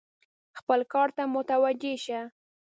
خپل کار ته متوجه شه !